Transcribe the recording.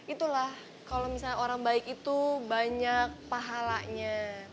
itulah kalau misalnya orang baik itu banyak pahalanya